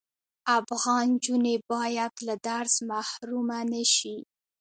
افغان انجوني بايد له درس محرومه نشی